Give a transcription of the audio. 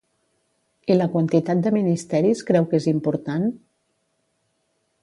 I la quantitat de ministeris creu que és important?